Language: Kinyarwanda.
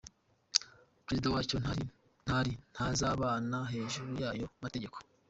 Perezida wacyo ntari, ntazanaba hejuru y’ayo mategeko.